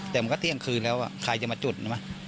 แต่มันก็เที่ยงคืนแล้วใครจะมาจุดใช่ไหม